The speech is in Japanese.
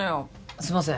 すいません